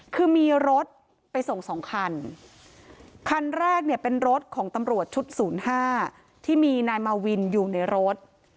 คือมีรถไปส่งสองคันคันแรกเนี่ยเป็นรถของตำรวจชุด๐๕ที่มีนายมาวินอยู่ในรถ